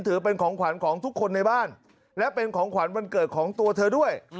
ถือเป็นของขวัญของทุกคนในบ้านและเป็นของขวัญวันเกิดของตัวเธอด้วย